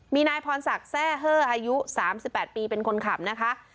มีนายพรศักดิ์แทร่เฮ่ออายุ๓๘ปีเป็นคนขับนะคะ